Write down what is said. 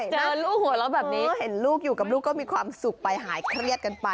ใช่นะคุณนะ